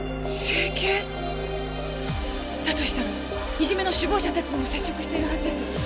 整形？だとしたらいじめの首謀者たちにも接触しているはずです。